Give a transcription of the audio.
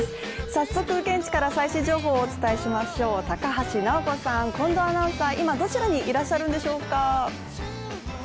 早速現地から最新情報をお伝えしましょう高橋尚子さん、近藤アナウンサー、今どちらにいらっしゃるんでしょうか？